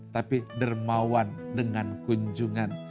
tapi dermawan dengan kunjungan